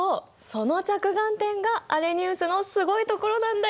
その着眼点がアレニウスのすごいところなんだよな。